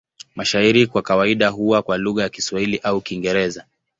Mashairi kwa kawaida huwa kwa lugha ya Kiswahili au Kiingereza.